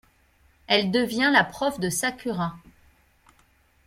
Elle devient la prof de Sakura.